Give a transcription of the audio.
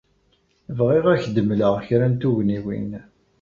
Bɣiɣ ad ak-d-mleɣ kra n tugniwin.